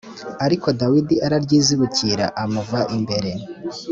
h ariko dawidi araryizibukira i amuva imbere